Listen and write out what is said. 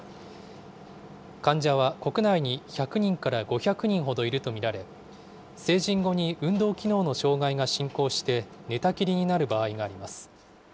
患者は国内に１００人から５００人ほどいると見られ、成人後に運動機能の障害が進行して、寝たきりになる場合があります。